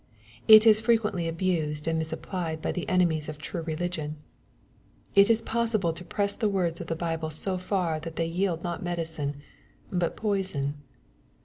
It is frequently abused and misapplied, by the enemies of true religion. It is possi ble to press the words of the Bible so far that they yield not medicine, but poison.